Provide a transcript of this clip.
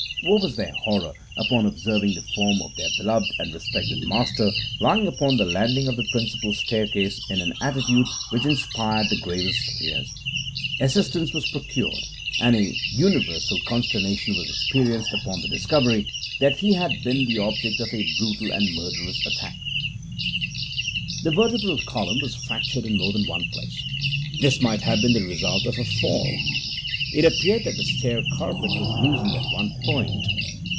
What was their horror upon observing the form of their beloved and respected master lying upon the landing of the principal staircase in an attitude which inspired the gravest fears. Assistance was procured, and an universal consternation was experienced upon the discovery that he had been the object of a brutal and a murderous attack. The vertebral column was fractured in more than one place. This might have been the result of a fall: it appeared that the stair carpet was loosened at one point.